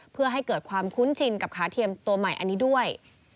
เพื่อให้เกิดความคุ้นชินกับขาเทียมตัวใหม่อันนี้ด้วย